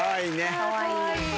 かわいいね。